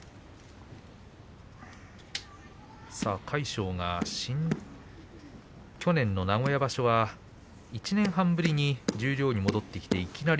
魁勝は去年の名古屋場所は１年半ぶりに十両に戻ってきました。